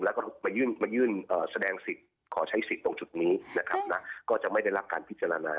แล้วก็มายื่นแสดงสิทธิ์ขอใช้สิทธิ์ตรงจุดนี้นะครับนะก็จะไม่ได้รับการพิจารณา